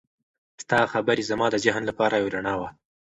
ستا خبرې زما د ذهن لپاره یو رڼا وه.